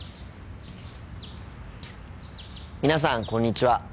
皆さんこんにちは。